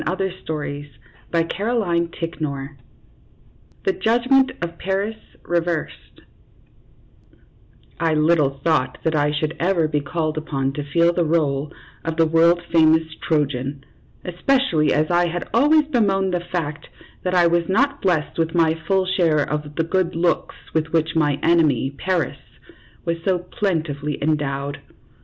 THE JUDGMENT OF PARIS REVERSED THE JUDGMENT OF PARIS REVERSED I LITTLE thought that I should ever be called upon to fill the rbk of the world famous Trojan, especially as I had always bemoaned the fact that I was not blessed with my full share of the good looks with which my enemy Paris was so plentifully en dowed.